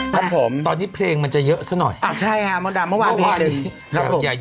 ครับผมวันนี้เพลงมันจะเยอะซะหน่อยก็ถูกหรือครับพี่ต้าย